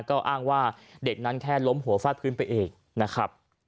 ก็อ้างว่าเด็กนั้นแค่ล้มหัวฟาดพื้นไปเองนะครับ